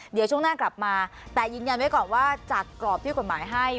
เดี๋ยวช่วงหน้ากลับมาแต่ยืนยันไว้ก่อนว่าจากกรอบที่กฎหมายให้